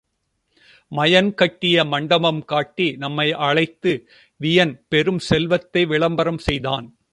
மயன் கட்டிய மண்டபம் காட்டி நம்மை அழைத்து வியன் பெரும் செல்வத்தை விளம்பரம் செய்தான்.